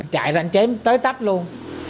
chạy ra ảnh chém tới tắp luôn